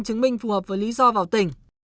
chứng minh phù hợp với lý do vào tỉnh